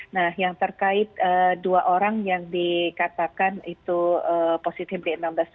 nah yang terkait dua orang yang dikatakan itu positif dna